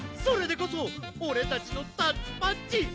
それでこそおれたちのタッチパッチ！